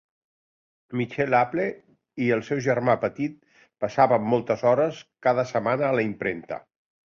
Michael Apple i el seu germà petit passaven moltes hores cada setmana a la impremta.